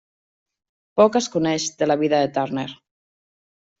Poc es coneix de la vida de Turner.